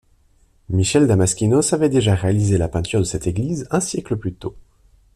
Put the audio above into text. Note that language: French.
Michel Damaskinos avait déjà réalisé la peinture de cette église un siècle plus tôt.